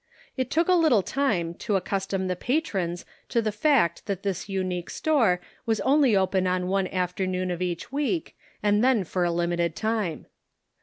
It took a little time to accustom the patrons to the fact that this unique store was only open on one afternoon of each week, and then for a limited time.